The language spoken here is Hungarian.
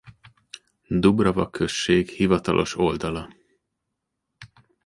Dubrava község hivatalos oldala